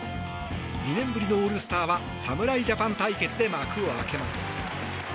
２年ぶりのオールスターは侍ジャパン対決で幕を開けます。